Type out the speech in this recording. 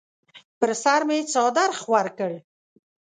پر سر مې څادر خور کړ.